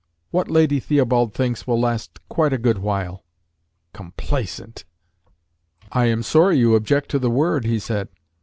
What Lady Theobald thinks will last quite a good while. Complaisant!" "I am sorry you object to the word," he said.